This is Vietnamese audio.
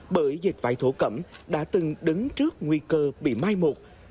bởi dịch vải thổ cẩm đã từng đứng trước nguy cơ bị mai một